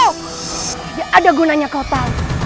tidak ada gunanya kau tahu